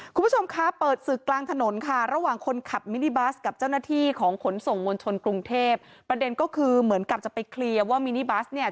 คุณผู้ชมคะเปิดศึกกลางถนนค่ะระหว่างคนขับมินิบัสกับเจ้าหน้าที่ของขนส่งมวลชนกรุงเทพประเด็นก็คือเหมือนกับจะไปเคลียร์ว่ามินิบัสเนี่ย